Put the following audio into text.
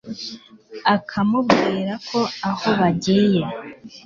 akamubwira ko aho bagiye